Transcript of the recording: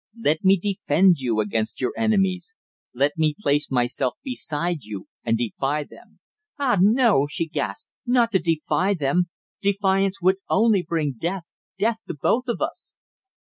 Let me defend you against your enemies. Let me place myself beside you and defy them." "Ah, no!" she gasped, "not to defy them. Defiance would only bring death death to both of us!"